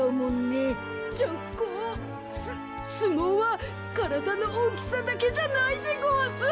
すすもうはからだのおおきさだけじゃないでごわす。